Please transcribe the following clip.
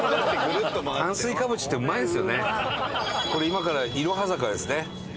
これ今からいろは坂ですね。